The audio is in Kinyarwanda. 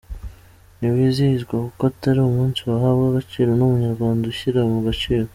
Ntiwizihizwa kuko atari umunsi wahabwa agaciro n’Umunyarwanda ushyira mu gaciro.